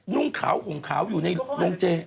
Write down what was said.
นุ่นคราวห่งคราวอยู่ในรงเจ